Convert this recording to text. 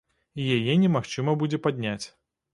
І яе немагчыма будзе падняць.